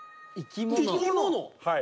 はい。